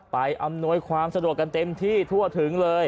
อำนวยความสะดวกกันเต็มที่ทั่วถึงเลย